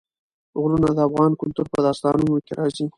غرونه د افغان کلتور په داستانونو کې راځي.